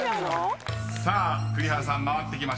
［栗原さん回ってきました］